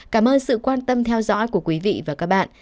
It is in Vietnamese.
cảm ơn sự quan tâm theo dõi của quý vị và các bạn